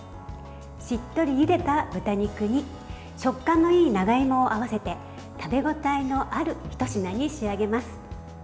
しっとりゆでた豚肉に食感のいい長芋を合わせて食べ応えのあるひと品に仕上げます。